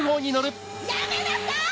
やめなさい‼